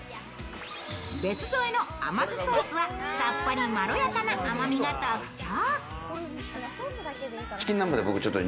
別添えの甘酢ソースはさっぱりまろやかな甘みが特徴。